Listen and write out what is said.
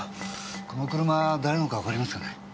この車誰のかわかりますかね？